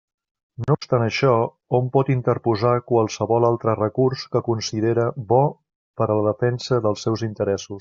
No obstant això, hom pot interposar qualsevol altre recurs que considere bo per a la defensa dels seus interessos.